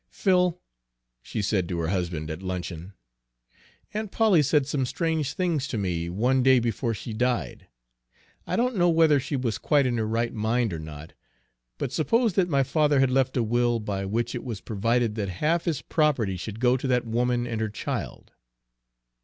"Phil," she said to her husband at luncheon, "Aunt Polly said some strange things to me one day before she died, I don't know whether she was quite in her right mind or not; but suppose that my father had left a will by which it was provided that half his property should go to that woman and her child?"